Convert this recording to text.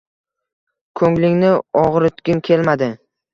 Ko`nglingni og`ritgim kelmadi